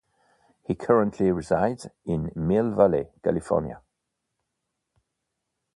He currently resides in Mill Valley, California.